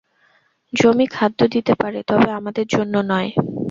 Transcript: জমি খাদ্য দিতে পারে, তবে আমাদের জন্য নয়।